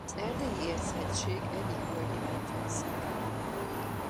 Az Erdélyi-érchegység egyik völgyében fekszik.